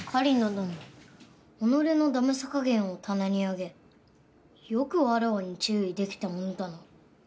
どの己の駄目さ加減を棚に上げよくわらわに注意できたものだな。